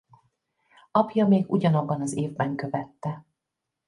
Apja még ugyanabban az évben követte.